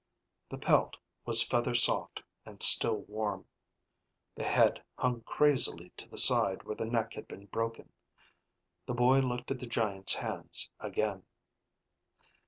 The pelt was feather soft and still warm. The head hung crazily to the side where the neck had been broken. The boy looked at the giant's hands again.